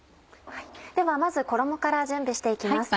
ではまず衣から準備して行きます。